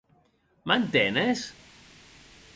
M'entenes?